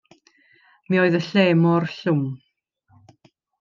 Mi oedd y lle mor llwm.